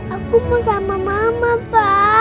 aku mau sama mama pak